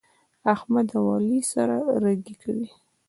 احمد او علي سره رګی کوي.